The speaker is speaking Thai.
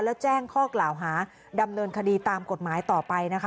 แล้วแจ้งข้อกล่าวหาดำเนินคดีตามกฎหมายต่อไปนะคะ